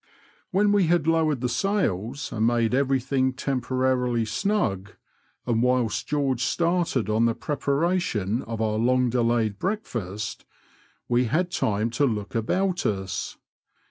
When we had lowered the sails and made everything temporarily snug, and whilst George started on the pre paration of our long delayed breakfast, we had time to look about us.